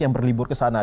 yang berlibur ke sana